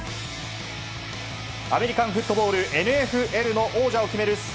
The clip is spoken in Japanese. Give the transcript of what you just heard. アメリカンフットボールＮＦＬの王者を決める